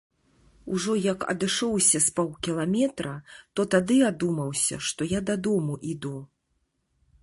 Ужо як адышоўся з паўкіламетра, то тады адумаўся, што я дадому іду.